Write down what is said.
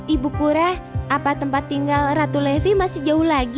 ibu kura apa tempat tinggal ratu levi masih jauh lagi